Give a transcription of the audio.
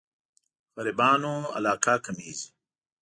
غريبانو علاقه کمېږي.